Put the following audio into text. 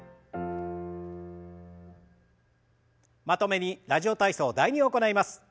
まとめに「ラジオ体操第２」を行います。